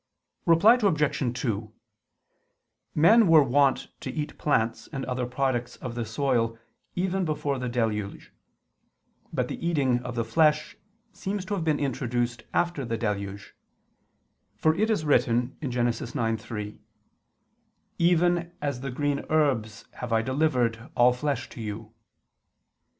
Reply Obj. 2: Men were wont to eat plants and other products of the soil even before the deluge: but the eating of flesh seems to have been introduced after the deluge; for it is written (Gen. 9:3): "Even as the green herbs have I delivered ... all" flesh "to you."